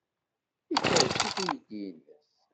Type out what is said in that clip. Ikerrec-it uydi-nnes.